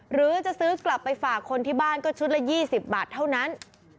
หรือจะซื้อกลับไปฝากคนที่บ้านก็ชุดละ๒๐บาทเท่านั้น